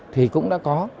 thì cũng đã có